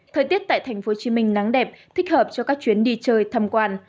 thời tiết tại tp hcm nắng đẹp thích hợp cho các chuyến đi chơi thăm quan